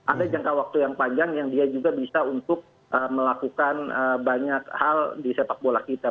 ada jangka waktu yang panjang yang dia juga bisa untuk melakukan banyak hal di sepak bola kita